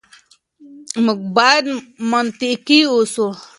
موږ بايد منطقي اوسو.